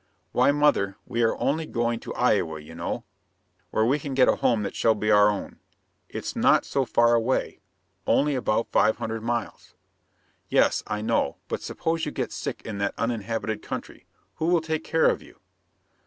"Why, mother, we are only going to Iowa, you know, where we can get a home that shall be our own. It's not so far away only about five hundred miles." [Illustration: A Dutch oven.] "Yes, I know, but suppose you get sick in that uninhabited country; who will take care of you?"